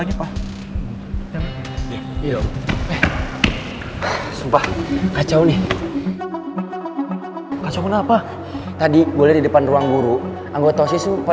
ini jujur tidak ada yang memaksa